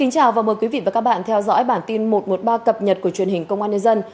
chào mừng quý vị đến với bản tin một trăm một mươi ba cập nhật của truyền hình công an nhân dân